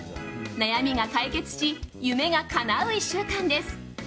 悩みが解決し夢がかなう１週間です。